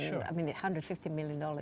saya ingat satu ratus lima puluh juta dolar